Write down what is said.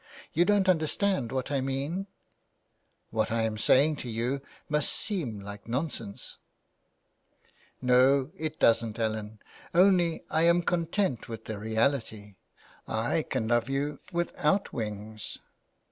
You don't understand what I mean ? What I am saying to you must seem like nonsense." 320 THE WILD GOOSE. *' No, it doesn't, Ellen, only I am content with the reality. I can love you without wings.''